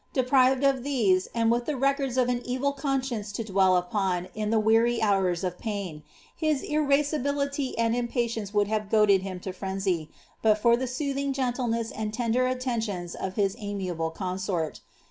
Deprived of ihtK, and with the records of an evil conscience to dwell upon in the •tsry hours of pain, his irascibility and impatience would have goaded liini to freniy, but for the soothing gentleness and lender attentions of bi amiable consort.